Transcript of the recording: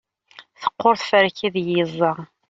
teqqur tferka ideg yeẓẓa